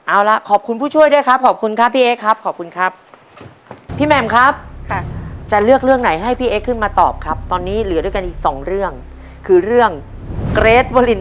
อ่าจะพร้อมเจอกับเขาหรือไม่นะครับตอนนี้พร้อมไหมเตะไหมถ้าเตะตีละครั้งเตะไหมเยอะเยอะ